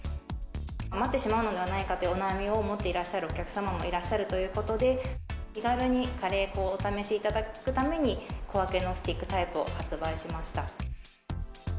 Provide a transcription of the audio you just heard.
余ってしまうのではないかというお悩みを持っていらっしゃるお客様がいらっしゃるということで、気軽にカレー粉をお試しいただくために、小分けのスティックタイプを発売しました。